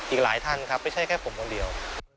อีกหลายท่านครับไม่ใช่แค่ผมคนเดียว